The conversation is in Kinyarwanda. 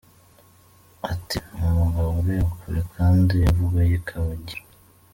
Ati “ Ni umugabo ureba kure kandi imvugo ye ikaba ingiro”.